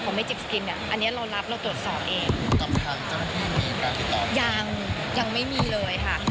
ของเนี้ยอันเนี้ยเรารับเราตรวจสอบเองต่อไปยังยังไม่มีเลยค่ะ